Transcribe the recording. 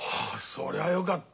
そりゃよかった。